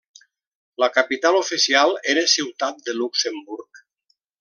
La capital oficial era Ciutat de Luxemburg.